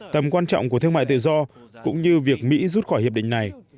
tầm quan trọng của thương mại tự do cũng như việc mỹ rút khỏi hiệp định này